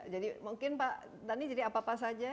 jadi mungkin pak tadi jadi apa apa saja